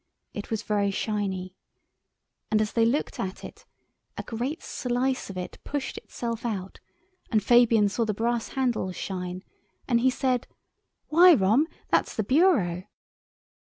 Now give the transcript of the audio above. It was very shiny. And as they looked at it a great slice of it pushed itself out, and Fabian saw the brass handles shine, and he said: "Why, Rom, that's the bureau."